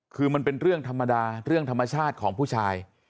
คือมันเป็นเรื่องธรรมดาเรื่องธรรมชาติของผู้ชาย